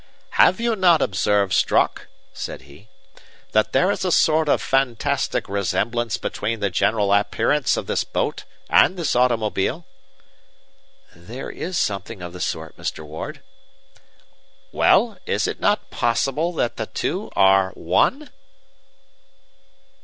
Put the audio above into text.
"Have you not observed, Strock," said he, "that there is a sort of fantastic resemblance between the general appearance of this boat and this automobile?" "There is something of the sort, Mr. Ward." "Well, is it not possible that the two are one?"